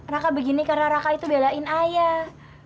raka begini karena raka itu belain ayah